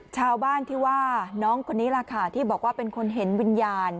ชาวบ้านที่ว่าน้องคนนี้แหละค่ะที่บอกว่าเป็นคนเห็นวิญญาณ